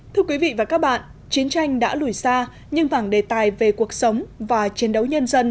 thưa quý vị và các bạn chiến tranh đã lùi xa nhưng vàng đề tài về cuộc sống và chiến đấu nhân dân